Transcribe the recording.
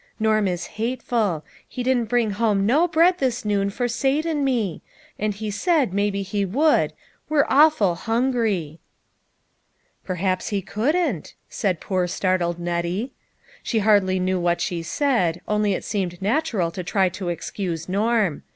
Norm is hateful. He didn't brins: home no bread this noon for o Sate and me ; and he said maybe he would f we're awful hungry." " Perhaps he couldn't," said poor startled Net tie. She hardly knew what she said, only it seemed natural to try to 'excuse Norm.